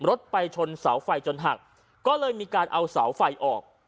รถไปชนเสาไฟจนหักก็เลยมีการเอาเสาไฟออก